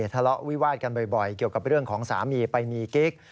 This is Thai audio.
ทะเลาะวิวาดกันบ่อยเกี่ยวกับเรื่องของสามีไปมีกิ๊ก